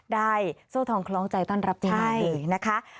ได้โซ่ทองคล้องใจต้อนรับเจ้าหน้าเด็กนะคะ